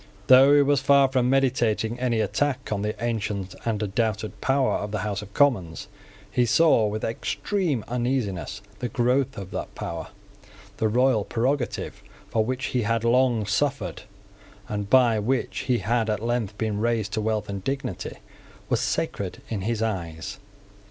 Though he was far from meditating any attack on the ancient and undoubted power of the House of Commons, he saw with extreme uneasiness the growth of that power. The royal prerogative, for which he had long suffered, and by which he had at length been raised to wealth and dignity, was sacred in his eyes.